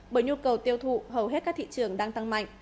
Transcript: bởi nhu cầu tiêu thụ hầu hết các thị trường đang tăng mạnh